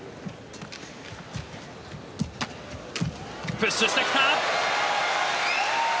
プッシュしてきた！